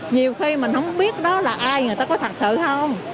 nhiều khi mình không biết đó là ai người ta có thật sự hơn